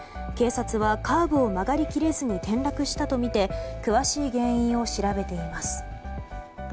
警察はカーブを曲がり切れずに転落したとみて詳しい原因を調べています。